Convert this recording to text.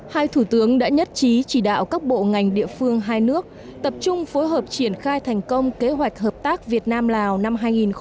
hai thủ tướng đã nhất trí chỉ đạo các bộ ngành địa phương hai nước tập trung phối hợp triển khai thành công kế hoạch hợp tác việt nam lào năm hai nghìn hai mươi